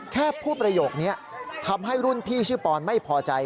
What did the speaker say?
แค่พูดประโยคนี้ทำให้รุ่นพี่ชื่อปอนไม่พอใจ